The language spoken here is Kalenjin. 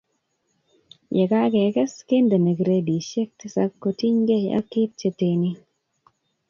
yekakekes, kendeni gredisiek tisab kotinygei ak kiit chetenin